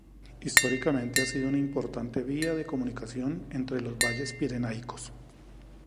Históricamente ha sido una importante vía de comunicación entre los valles pirenaicos.